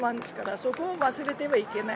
そこを忘れてはいけない。